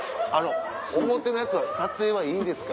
表のやつは撮影はいいですか？